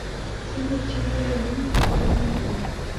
څنگه چې يې له نوم جوتېږي